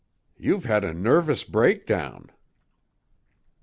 "You've had a nervous breakdown."